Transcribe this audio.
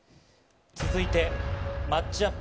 続いてマッチアップ